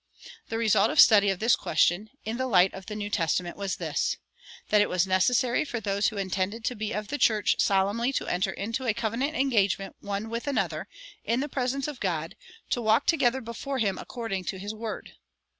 The result of study of this question, in the light of the New Testament, was this that it was "necessary for those who intended to be of the church solemnly to enter into a covenant engagement one with another, in the presence of God, to walk together before him according to his Word."